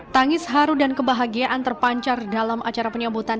tangis haru dan kebahagiaan terpancar dalam acara penyambutan